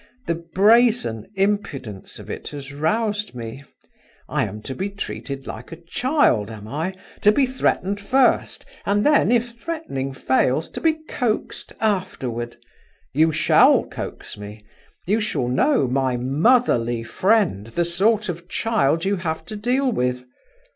The brazen impudence of it has roused me. I am to be treated like a child, am I? to be threatened first, and then, if threatening fails, to be coaxed afterward? You shall coax me; you shall know, my motherly friend, the sort of child you have to deal with.